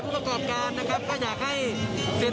ผู้ประกอบการนะครับก็อยากให้เศรษฐกิจนั้นเดินหน้านะครับ